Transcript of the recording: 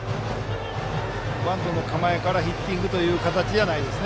バントの構えからヒッティングという形ではないですね。